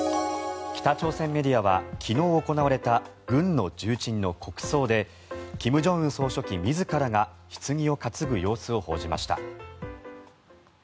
北朝鮮メディアは昨日行われた軍の重鎮の国葬で金正恩総書記自らがひつぎを担ぐ様子を報じました。